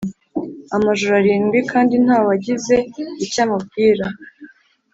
amajoro arindwi, kandi nta wagize icyo amubwira